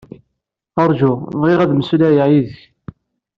Ṛaju, bɣiɣ ad mmeslayeɣ yid-k.